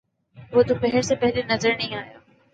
وہ دوپہر سے پہلے نظر نہیں آیا۔